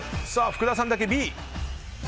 福田さんだけＢ。